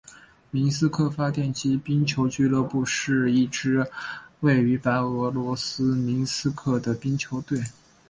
明斯克发电机冰球俱乐部是一支位于白俄罗斯明斯克的冰球队。